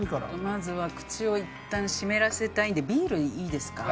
まずは口をいったん湿らせたいんでビールいいですか？